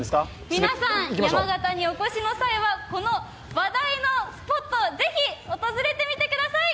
皆さん、山形にお越しの際はこの話題のスポット、ぜひ、訪れてみてください。